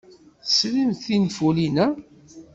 Tesrimt tinfulin-a?